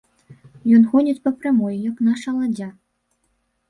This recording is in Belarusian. Ён ходзіць па прамой, як наша ладдзя.